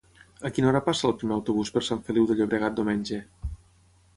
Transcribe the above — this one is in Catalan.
A quina hora passa el primer autobús per Sant Feliu de Llobregat diumenge?